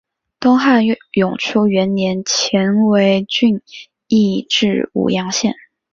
东汉永初元年犍为郡移治武阳县。